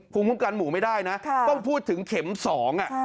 ภูมิการหมู่ไม่ได้นะต้องพูดถึงเข็ม๒น่ะ